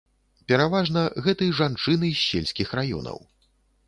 Пераважна, гэты жанчыны з сельскіх раёнаў.